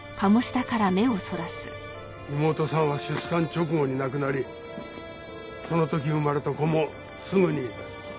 妹さんは出産直後に亡くなりその時生まれた子もすぐに。